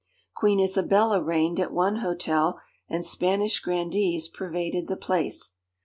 Queen Isabella reigned at one hotel, and Spanish grandees pervaded the place.